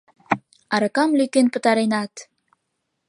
Аракам лӧкен пытаренат!..